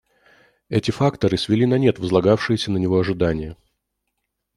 Эти факторы свели на нет возлагавшиеся на него ожидания.